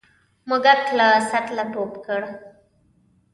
موږک له سطله ټوپ کړ.